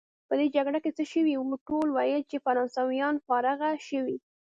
په دې جګړه کې څه شوي وو؟ ټولو ویل چې فرانسویان فارغه شوي.